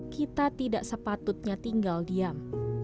kita tidak sepatutnya tinggal diam